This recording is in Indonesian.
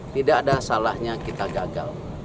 tidak ada salahnya kita gagal